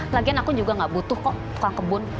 lagian aku juga gak butuh kok tukang kebun